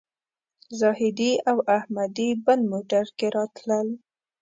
زاهدي او احمدي بل موټر کې راتلل.